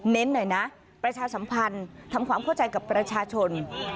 หน่อยนะประชาสัมพันธ์ทำความเข้าใจกับประชาชน